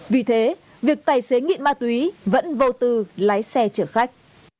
vì thế việc tài xế nghiện ma túy vẫn vô tư lái xe chở khách